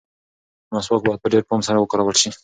مسواک باید په ډېر پام سره وکارول شي.